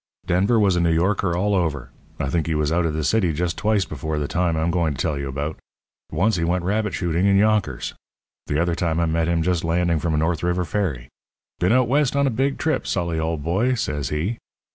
"Denver was a New Yorker all over. I think he was out of the city just twice before the time I'm going to tell you about. Once he went rabbit shooting in Yonkers. The other time I met him just landing from a North River ferry. 'Been out West on a big trip, Sully, old boy,' says he.